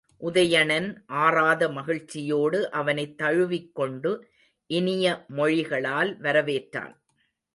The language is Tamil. உதயணன் ஆறாத மகிழ்ச்சியோடு அவனைத் தழுவிக்கொண்டு இனிய மொழிகளால் வரவேற்றான்.